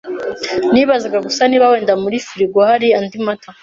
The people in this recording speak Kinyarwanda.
Nibazaga gusa niba wenda muri firigo hari andi mata.